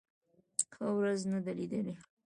ښه ورځ نه ده لېدلې.